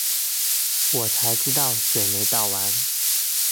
我才知道水没倒完